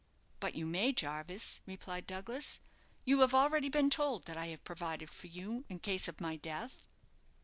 "But you may, Jarvis," replied Douglas. "You have already been told that I have provided for you in case of my death."